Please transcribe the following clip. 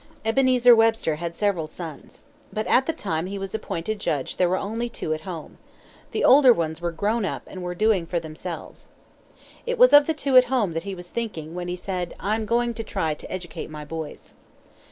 Ebenezer Webster had several sons. But at the time that he was appointed judge there were only two at home. The older ones were grown up and were doing for themselves. It was of the two at home that he was thinking when he said, "I am going to try to educate my boys."